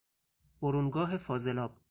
برونگاه فاضلاب